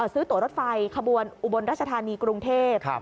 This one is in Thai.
ซื้อตัวรถไฟขบวนอุบลรัชธานีกรุงเทพ